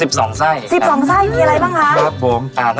๑๒ไส้มีอะไรบ้างคะ